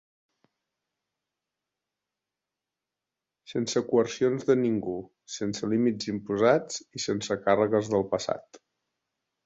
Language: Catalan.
Sense coercions de ningú, sense límits imposats i sense càrregues del passat.